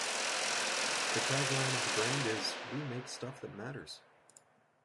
The tagline of the brand is: We make stuff that matters.